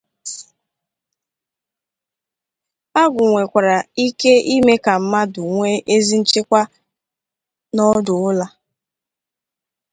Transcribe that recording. Agwụ nwekwara ike ime ka mmadụ nwee ezi nchekwa na 'ọdụụla'